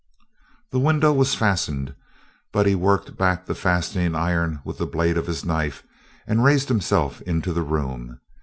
The window was fastened, but he worked back the fastening iron with the blade of his knife and raised himself into the room.